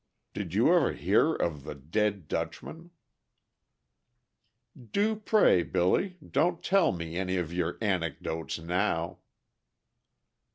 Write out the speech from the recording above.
Did you ever hear of the dead Dutchman?" "Do pray, Billy, don't tell me any of your anecdotes now."